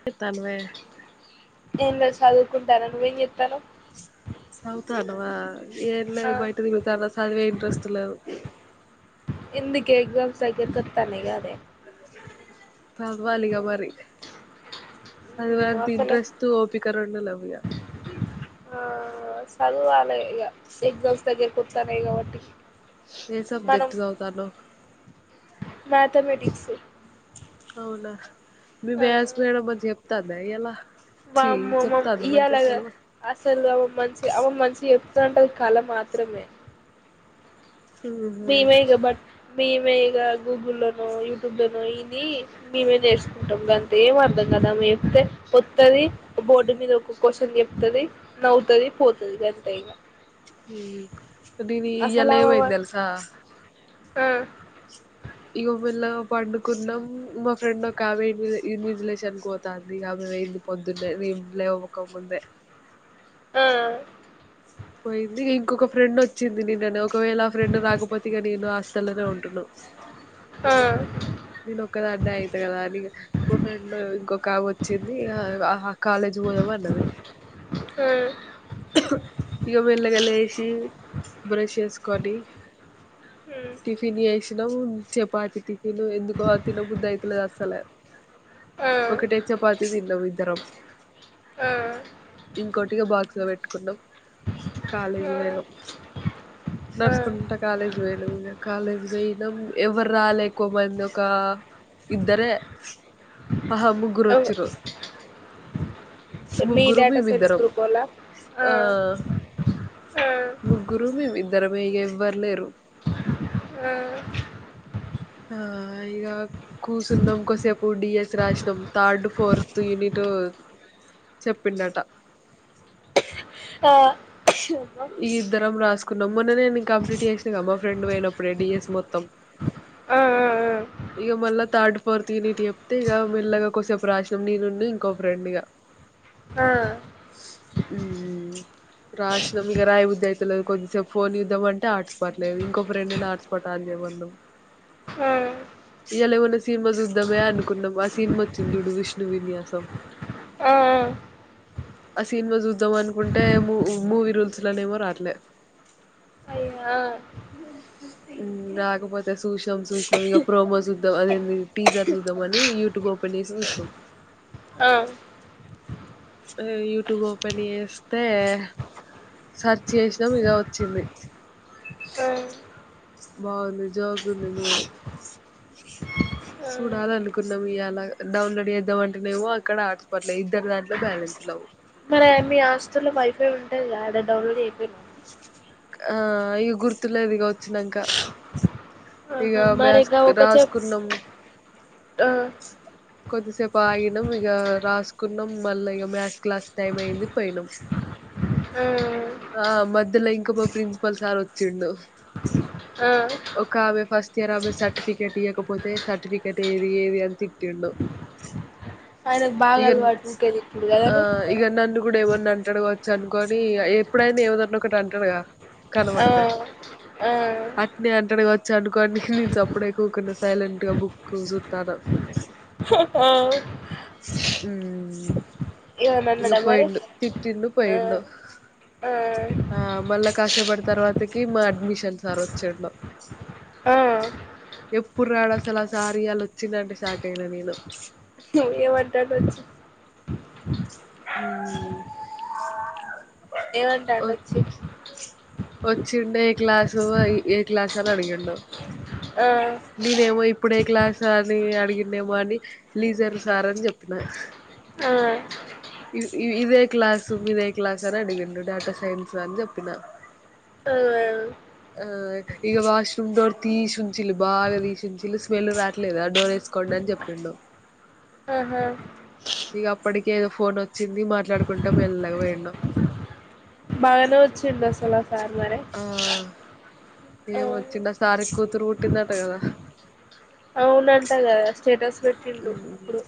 చేస్తున్న్వే ఎం లేదు చదువుకుంటాన నువ్వు ఏమి చేస్తున్నావ్ సౌత అల్వా ఏం ఆ లేదు బయట తిరుగుతాన్న చదివే ఇంట్రెస్ట్ లేదు ఎందుకే ఎగ్జామ్స్ దగరకత్తానేే కా అదే చదవాలి ఇక మరి చదివే మ్మ్ అంత అసలే ఇంట్రెస్ట్ ఓపిక్ దగర ఉండాలివియ ఆ చదువాల ఇగ ఎగ్జామ్స్ దగ్గరకొస్తాన్నాయ్ కాబట్టి ఏ మనం సబ్జెక్ట్ సవతాన్నవ్ మ్యాథమెటిక్స్ అవునా మీ మ్యాథ్స్ మేడం మంచిగ చెప్తాందా ఇయ్యాల ఆ ఛీ బమొ చెప్తాందా మంచిగ ఇయాలాగా సిలబస్ అసలు అ మంచించిి అన్ మంచించిి పంటల కాల మాత్రమే ఊహూ మీమేగా బట్ మేమే ఇక గూగుల్లోనో యూట్యూబ్ లనో ఇదీ మేమే నేర్చుకుంటాం గంతె ఏం అర్థం కదామె చెప్తే వత్తది బోర్డ్ మీద ఒక క్వషన్ చెప్ తది నవు తది పోతది గంతే ఇగా మ్ దీవీ ఆమె వ ఎలవయిదిల్సా ఆ ఇగొ మళ్లగ పండుకున్నం మా ఫ్రెండ్ ఒక అమెవి ఇన్విజిలేష అన్ పోతుంది ఆమె వె పొద్దున్నే నీంలేవం కొముందె ఆ పోయింది ఇంకొక ఫ్రెండ్ ఒచ్చింది నిన్ననే ఒకవేళ ఆ ఫ్రెండ్ రాకపోతే ఇక నేను ఆస్టల్లోనే ఉంటున్నా ఆ ఆ నేను ఒకదా అన్న అయిత కదా అని ఫ్రెండ్ ఇంకొక వచ్చింది కాలేజ్ పోదం అన్నది ఇక మెల్లగాలేషీ బ్రష్ ఏసుకొని హ్మ్ టిఫిన్ చేసిన మ్ చపాతికి తిలు ఎందుకో ఆ తిన బుద్ధయితలే అసల్ సలా ఆ ఒకటే చపాతి తిన్నం ఇద్దరం ఆ ఆ ఇంకోటిగ బాక్స్ [unintelligible] పెట్కునం కాలేజీ పోయినం ఆ నడుసుకుంటా కాలేజీ పోయినాం ఇగ కాలేజీ పోయినం ఎవర్ రాలే కొమంద్ ఒకా ఇద్దరే ఆహా ముగ్గురు ఆ వచ్చిర్రు మీ ముగ్గురు డాటా సైన్స్ మేమిద్దరం గ్రూపోల్లా ఆ ముగురు మేమిద్ ఇద్దరమే ఇగ ఎవ్వరులేరు ఆ ఆ ఇగా కూసున్నం కోసేపు ఇప్పుడు డిఎస్ రాశినం థర్డ్ ఫోర్త్ యూనిటు చెప్పిండట ఆ ఈ ఇద్దరం రాసుకున్నాం మొన్న నేను కంప్లీట్ చేసిన కదా మ్మా ఫ్రెండ్ పోయినప్పుడే డిఎస్ మొత్తం ఆ ఇగ మళ్ళా థర్డ్ ఫోర్త్ యూనిట్ చెప్తే ఇక మెల్లగా కొసేపు రాశినం నేన్ ఉనూ ఇంకో ఫ్రెండ్ ఇగ మ్మ్ రాష్ట రాయ బుద్ధయితలేదు కొద్ది సేపు ఫోన్ చుద్దాం అంటే ఆట్ వట్లే ఇంకో ఫ్రెండ్ ను హాట్స్పా్ట్ ఆన్ చేయ్ మన్నం ఆ ఇయా లెవెన్ డేస్ సినిమా చూద్దామే అనుకున్నాం ఆ సినిమా వచ్చింది చుడు విష్ణు విన్య సం ఆ ఆ సినిమా చూద్దాం అనుకుంటే మూవ్ మూవీ రూల్స్ స్లా నెమో రావటలే ఆ మ్మ్ రాకపోతే సుశీనం సుశినం ఇగ ప్రోమో సుద్దాం అదేంది టీజర్ చూద్దాం అని యూట్యూబ్ ఓపెన్ చేసి చూశినం ఆ ఆ యూట్యూబ్ ఓపెన్ చేస్తే సర్చ్ చేసినం ఇగ వచ్చింది బాగుంది జోకుంది మూవి ఆ సుడాలనుకున్నాం ఇయాల డౌన్లోడ్ చేద్దామంటేనేమొ అక్కడ హాట్స్పాట్ లే ఇద్దరు దాంట్లో బ్యాలెన్స్ లెవ్ మరె మీ హాస్టల్లో వైఫై ఉంటదిగా ఆడ డౌన్లోడ్ చేయకపోయినవ్ ఆ ఇగ గుర్తులేదిగ వచ్చినంక ఇగ ఆహా మరి గా మ్యాసక్ ఒక చెప్ రాసుకున్నం ఆ కొద్దిసేపు ఆగినం ఇక రాసుకున్నాం మళ్ళీ ఇక మ్యాథ్స్ క్లాస్ టైం అయింది పోనాం ఆ ఆ మధ్యలో ఇంకక ప్రిన్సిపల్ సార్ వచ్చిండు ఆ ఒక ఆమె ఫస్ట్ ఇయర్ ఆమె సర్టిఫికెట్ ఇవ్వకపోతే సర్టిఫికెట్ ఏది ఏది అని తిట్టిండు ఆయనకు బాగా ఇక అలవాటు ఉంటేది ఇప్పుడు కదనే ఇప్పుడు ఏమన్నా అంటడుగా వచ్చు అనుకోని ఎప్పుడైనా ఏమిదన్నా ఒకటి అంటాడుగా ఆ కలుబడతే ఆ అ నేను అంటనే వచ్చానుకోని నేను అప్పుడే కూకుడా సైలెంట్ గా బుక్ చూస్తాను ఆ ఉ ఏమన్నా ఇక అన్నడా మరి పోయింది తిట్టాడు పోయి ఆ ఆ ఆ మళ్ల కాస్త పడి తర్వాతకి మా అడ్మిషన్ సార్ వచ్చేండం ఆ ఎప్పుడు రాడు అసలు ఆ సార అలా వచ్చిందంటే క్యినా నేను ఏ వారు హ ఏమంటాడి వచ్చి ఒచ్చి ఏ క్లాస్ ఏ క్లాస్స అడిండ ఆ నేనే ఏమో ఇప్పుడే క్లాస్ అని అడిగండేమో అని లీజర్ సార్ అని చెప్పిన ఆ ఇదే క్లాసు ఇదే క్లాస్ అని అడిగిండు డేటా సైన్స్ అని చెప్పిన ఆ ఆ ఇక వాష్రూమ్ డోర్ తీచుంచిలి బాగా తీచంచిలి స్మెల్ రావట్లేదు ఆ డోర్ వేసుకోంండ అని చెప్పిండు ఆహా ఇక అప్పటిక ఏదో ఫోన్ వచ్చింది మాట్లాడుకుంటా మళలాగా పోయినా బాగానే వచ్చింది అసలు సారు మర ఏం వచ్చింద సారి కూతురు పుట్టిందట కదా అవునంటా కదా స్టేటస్ వెటిలుప్పుడు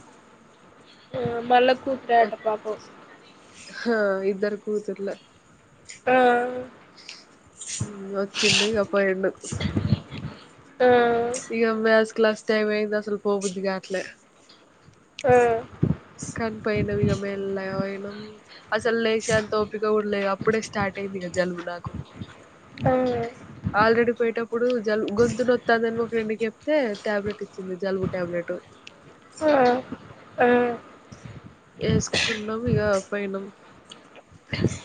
ఆ మళ్ళ కూతు అట పాప ఆ ఇద్దరు కూతుర్లే ఆ వచ్చిం కప్పం ఆ ఇక మ్యాథ్ క్లాస్ టైం అయింది అసలు పోవుద్దుగా అట్లే ఆ కనిపోయినాం ఇక మెల్ల అయినాం అసలు లేచ అంతోపిక ఉడలేదు అప్పుడే స్టార్ట్ అయింది ఇక జలుబు నాకు ఆ ఆల్రెడీ పోయటప్పుడు జల్ గొంతున వస్తుందని ఒక రెండు చెప్తే టాబ్లెట్ ఇచ్చింది జలుబు టాబ్లెట్ ఆ ఆ వేసుకున్నాం ఇక పోనాం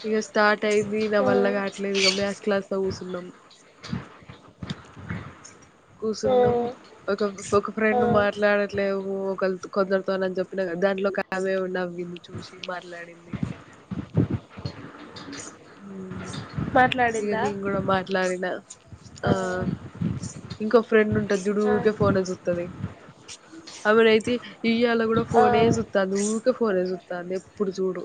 ఇక స్టార్ట్ అయింది నా ఆ ఆ వల్ల కాటలేదు ఇక మ్యాథ్స్ క్లాస్ లో కూర్చున్నాం కూర్చున్నాం ఒక ఒక ఆ ఫ్రెండ్ మాట్లాడట్లేము ఒక కొందరతోని చెప్పిన దాంట్లో ఆమెమి నవ్వింది చూసి మాట్లాడింది హ ఇక మాట్లాడిందా నం కూడా మాట్లాడిన ఆ ఇంకో ఫ్రెండ్ ట్ట జుడు ఆ ఊకె ఫోనే చూతది అవి రైతే ఈయలా కూడా ఆ ఫోనే చూతంది ఊ కు ఫోనే చుతాంది ఎప్పుడు చూడు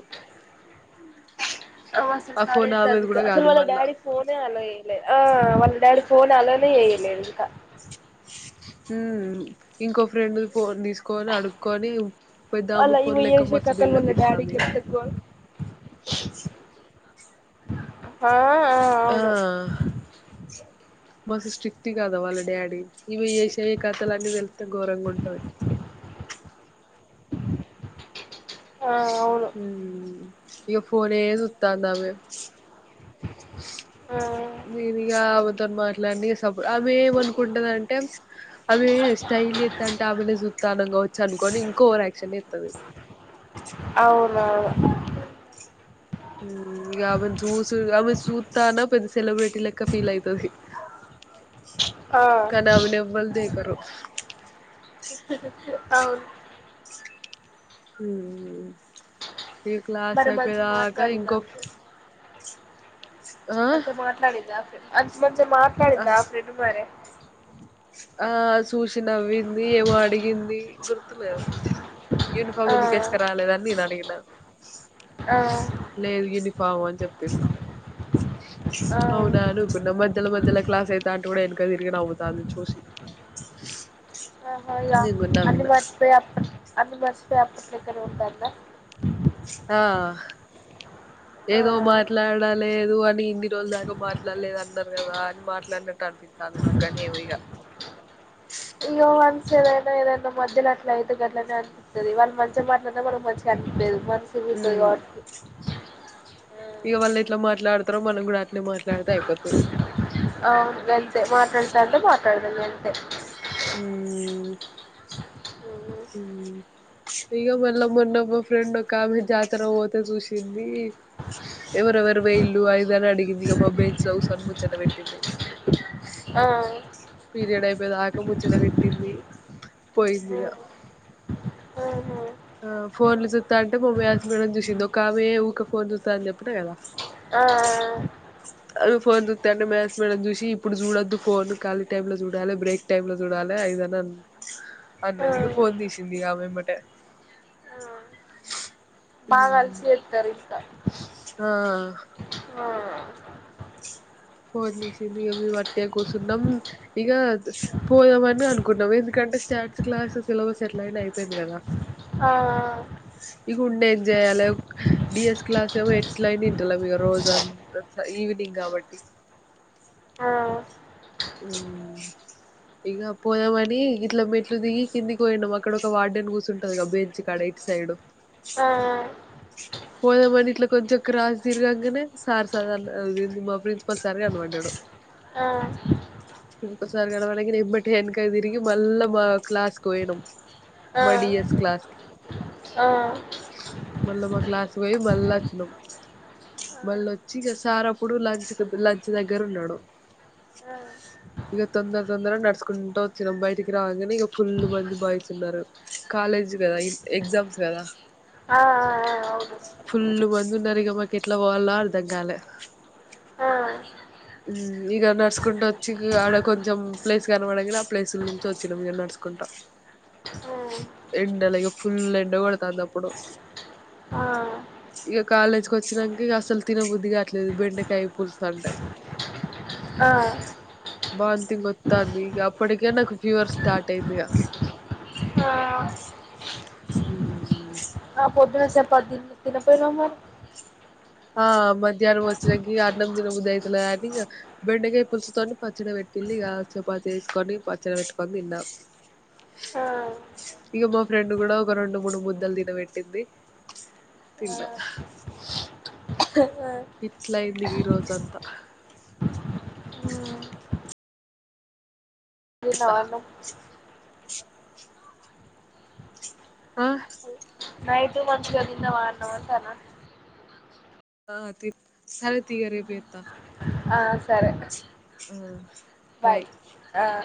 ఆ ఫోన్ కాలేజ్ త ఆమెది అందుకె కూడా అసలు కాదు వాళ్ళ మళ్ళా డాడీ ఫోనే అలౌ చేయలే ఆ వాళ్ళ డాడి ఫోన్ అలౌ నే చేయలేదు ఇంకా హ్మ్ హ్మ్ ఇంకో ఫ్రెండ్ ది ఫోన్ తీసుకొని అడుక్కొని పెద్దామ అల్ ఫోన్ ఈమె లెక్క చేసే మస్తు కథలు బిల్డప్ వాళ్ళ డాడీ ఇత్తాంది కి ఇగ చెప్తే గా ఆ ఆ మస్తు స్ట్రిక్ట్ కాదా వాళ్ళ డాడీ ఈమె చేసే కథలు అన్నీ తెలిస్తే ఘోరంగా ఉంటది ఆ అవును హ్మ్ హ్మ్ ఇగ ఫోన్ ఏ చూతాంది ఆమె ఆ నేను ఇగా ఆమెతో మాట్లాడిని సపో ఆమె ఏమనుకుంటదంటే ఆమె స్టైల్ చేతాంటే ఆమెనే సుత్తానం గావచ్చ అనుకని ఇంకో ఓవర్ యాక్షన్ చేతది [unintelligible] హ్మ్ ఆమెన్ జూస్ ఆమె చూతాన్న సెలబ్రిటీ లెక్క ఫీల్ అయితది ఆ కానీ ఆమెని ఎవల్ దేక్ కరు అవును హ్మ్ ఈ క్లాస్ మరి మంచిగా అయిపోయదాక ఇంకో ఆ అంతే మాట్లాడిందా అది మంచ్ మంచిగ మాట్లాడిందా ఆ ఫ్రెండ్ మరి ఆ సూచినవ్వింది ఏమో అడిగింది గుర్తులేదు యూనిఫార్ ఆ ఎందుకు ఏసుకొని రాలేదు అని నేను అడిగినా ఆ డ లేదుగిని బావ అని చెప్పింది ఆ అవునా అను కున్న మధ్యలో మధ్యలో క్లాస్ అయితాంటే కూడా ఎనక తిరిగి నవ్వుతాంది చూసి మళ్ళ నేను కూడా అన్ని నవ్విన మర్చపోయి అన్ని మర్చ్ పాట్లలేక్కనే ఉంటాదా ఆ ఆ ఏదో మాట్లాడలేదు అని ఇన్ని రోజులు దాకా మాట్లాడలేదు అన్నారు కదా అని మాట్లాడినట్టు అనిపితాంది. నాక్ గాని ఏమో ఇగా ఇగో వన్స్ ఏదైనా ఏదైనా మధ్యలో అట్లా అయితే గట్లనే అనిపితది. వాళ్ళు మంచిగా మాట్లాడితే మనకు మంచిగా అనిపియదు. సిమ్ ఇత్తది గావాట్కి ఇగా వాళ్ళు ఎట్లా మాట్లాడతారో మనం కూడా అట్నే మాట్లాడితే అయిపోతాది. ఆ వెళ్తే మాట్లాడతాంట మాట్లాడదాం గంతే హ్మ్మ్ ఇగా మళ్ళా మొన్నో ఒక ఫ్రెండ్ ఒక ఆమె జాతర పోతే చూసింది ఎవరెవరు పోయిళ్లు అది ఇది అని అడిగింది. ఇగా మా బెంచ్ లో కూర్చొని ముచ్చట పెట్టింది ఆ పీరియడ్ అయిపోయేదాక ముచ్చట పెట్టింది పోయింది. ఇగా ఆ ఆహా ఆ ఫోన్లు చూస్తాంటే మా మాథ్స్ మేడం చూసింది. ఒక ఆమె ఊకే ఫోన్ చూస్తాదాని చెప్పిన కదా ఆ ఆమె ఫోన్ చూత్తాంటే మ్యాస్ మేడం చూసి ఇప్పుడు చూడొద్దు ఫోన్ కాలి టై లో చూడాలి బ్రేక్ టైమ్ లో చూడాలి అది ఇదని ఆ అన్నది ఫోన్ తీసింది ఆమె ఏమ్మటే ఆ బాగా అలుసు చేత్తరు త ఆ ఫోన్ చేసింది ఇగా మేమ్ వట్టిగా కూర్చున్నాం. ఇగా పోదాంమని అనుకున్నాం ఎందుకంటే స్టాట్స్ క్లాస్ సిలబస్ ఎట్ల అయినా అయిపోయింది. కదా ఆ ఇగుండేమ్ చేయ్యాలి డిఎస్ క్లాస్ ఏమో ఎట్లైనా ఇంటాలేము. ఇగా రోజు అంత ఈవినింగ్ కాబట్టి ఆ ఇగా పోదామని ఇట్లా మెట్లు దిగి కిందికి పోయిండు అక్కడ ఒక వార్డెని కూర్చుంటది బెంచ్ కాడ ఇటు సైడ్ ఆ ఆ పోదామని ఇట్లా కొంచెం క్రాస్ తిరగంగానే సార్ సార్ అదేంది మా ప్రిన్సిపల్ సార్ కనపడ్డాడు. ఆ ప్రిన్సిపల్ సార్ కడబడ్గానే ఎమ్మటే వెనక్కి తిరిగి మళ్ళా మా క్లాస్కు పోయినం. మై ఆ డియర్ క్లాస్ కి ఆ మళ్ళా మా క్లాస్ పోయి మళ్ళా వచ్చినాం. మళ్ళా వచ్చి ఇగా సార్ అప్పుడు లంచ్ లంచ్ దగ్గర ఉన్నాడు ఇగా తొందర తొందర నడుచుకుంటా వచ్చినాం బయటికి రాంగానే ఇగా ఫుల్ మంది బాయ్స్ ఉన్నారు. కాలేజ్ కదా ఎగ్జామ్స్ కదా ఆ అవును ఫుల్ మంది ఉన్నారు. ఇగా మాకెట్లా పోవల్నో అర్థం కాలే ఆ ఇగా నడుచుకుంటా వచ్చి ఇగా ఆడ కొంచెం ప్లేస్ కనబడాంగానే ఆ ప్లేసుల నుంచి వచ్చాము ఇగా నడుచుకుంటా ఉమ్, ఎండలా ఇగా ఫుల్ ఎండ కొడుతుంది. అప్పుడు ఆ ఇగా కాలేజ్కి వచ్చినక్కా అసలు తినబుద్ది కావట్లేదు. బెండకాయ పుల్స్ అంటే ఆ వథింగ్ వత్తాంది ఇగా అప్పటికే నాకు ఫీవర్ స్టార్ట్ అయింది. ఇగా హ్మ్మ్ ఆ పొద్దున చపాతీ తినాపోయినవ్ మరి ఆ మధ్యాహ్నం వచ్చినాక్క ఇగా అన్నం తిన బుద్ది అయితలే అని బెండకాయ పులుసుతోని పచ్చడ పెట్టిళ్ళు, ఇగా చపాతి వేసుకొని పచ్చడి పెట్టుకొని తిన్నా ఆ ఇగా మా ఫ్రెండ్ కూడా ఒక రెండు మూడు ముద్దలు తినబెట్టింది. ఆ తిన్నా ఆ ఇట్లా అయింది ఈరోజు అంతా తిన్నావా అన్నమ్ ఆ నైటూ మంచిగా తిన్నావా అన్నం అంటానా ఆ తిన్ సరే తియ్ [inaudible] రేప్ చేత్త ఆ సరే ఉమ్ బాయ్ ఆ